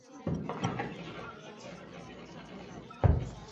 今台东县长滨乡。